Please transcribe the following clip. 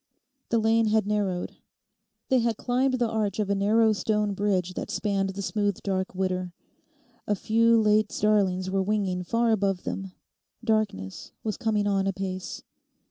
The lane had narrowed. They had climbed the arch of a narrow stone bridge that spanned the smooth dark Widder. A few late starlings were winging far above them. Darkness was coming on apace.